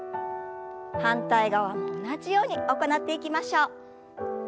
反対側も同じように行っていきましょう。